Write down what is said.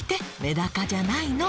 メダカじゃないの。